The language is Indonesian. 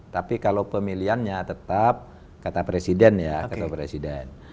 tapi kalau pemilihannya tetap kata presiden ya kata presiden